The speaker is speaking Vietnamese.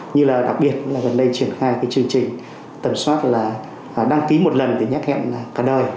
như là đặc biệt là gần đây triển khai cái chương trình tẩm soát là đăng ký một lần thì nhắc hẹn cả đời